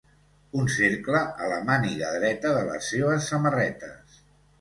Un cercle a la màniga dreta de les seves samarretes.